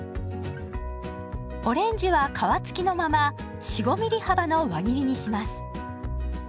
オレンジは皮付きのまま４５ミリ幅の輪切りにします。